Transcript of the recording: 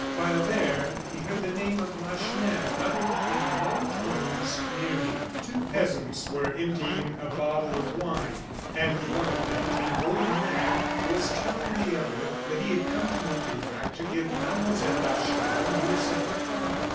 While there he heard the name of Lacheneur uttered in low tones near him. Two peasants were emptying a bottle of wine, and one of them, an old man, was telling the other that he had come to Montaignac to give Mlle. Lacheneur news of her father.